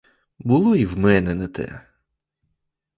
Було і в мене не те!